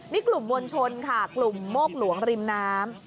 นี่กลุ่มมวลชนค่ะกลุ่มโมกหลวงริมน้ำ